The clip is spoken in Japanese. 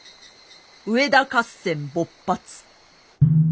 上田合戦勃発。